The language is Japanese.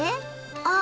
あ！